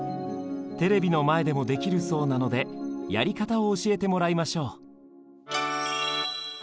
テレビの前でもできるそうなのでやり方を教えてもらいましょう。